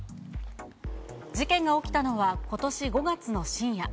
事件が起きたのはことし５月の深夜。